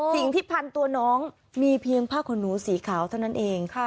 สิ่งที่พันตัวน้องมีเพียงผ้าขนูสีขาวเท่านั้นเองค่ะ